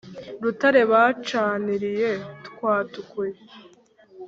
rutare bacaniriye rwatukuye.